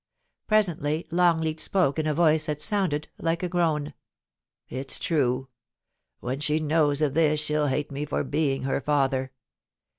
Presently Longleat spoke in a voice that sounded like a ' It's true^when she knows of this shell hate me for being her father.